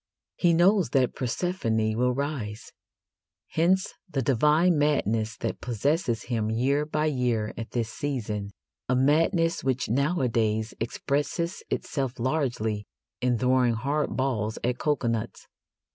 He knows that Persephone will rise. Hence the divine madness that possesses him year by year at this season a madness which nowadays expresses itself largely in throwing hard balls at coconuts.